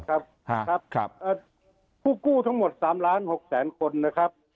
ครับครับผู้กู้ทั้งหมด๓ล้าน๖แสนคนนะครับ